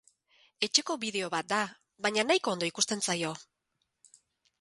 Etxeko bideo bat da, baina nahiko ondo ikusten zaio.